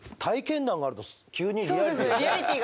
リアリティー。